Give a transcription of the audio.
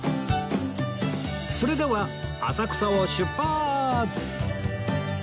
それでは浅草を出発！